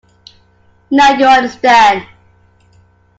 Now, you understand.